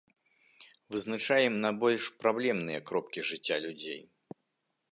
Вызначаем найбольш праблемныя кропкі жыцця людзей.